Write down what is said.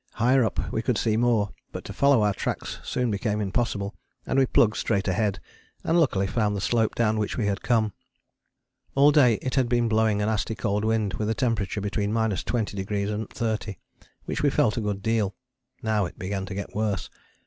Higher up we could see more, but to follow our tracks soon became impossible, and we plugged straight ahead and luckily found the slope down which we had come. All day it had been blowing a nasty cold wind with a temperature between 20° and 30°, which we felt a good deal. Now it began to get worse.